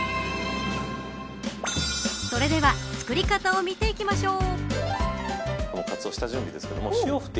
それでは作り方を見ていきましょう。